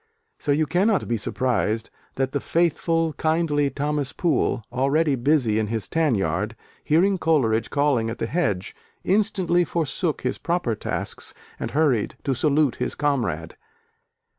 So you cannot be surprised that the faithful, kindly Thomas Poole, already busy in his tan yard, hearing Coleridge calling at the hedge, instantly forsook his proper tasks and hurried to salute his comrade.